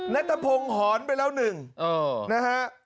นัทพงศ์หอนไปแล้วหนึ่งนะฮะ